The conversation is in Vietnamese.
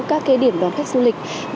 các cái điểm đón khách du lịch